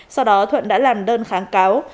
sau đó thuận đã làm đơn kháng cáo